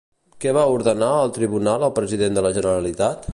Què va ordenar el Tribunal al president de la Generalitat?